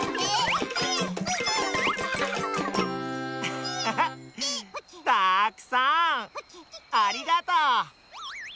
ハッハハたくさんありがとう。